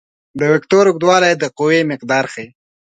د وکتور اوږدوالی د قوې مقدار ښيي.